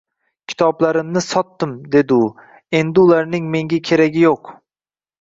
Kitoblarimni sotdim, dedi u, endi ularning menga kerak yo`q